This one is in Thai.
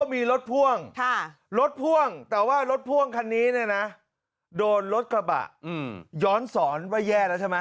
มีรถพ่วงรถพ่วงแต่ว่ารถพ่วงคันนี้เนี่ยนะโดนรถกระบะย้อนสอนว่าแย่แล้วใช่ไหม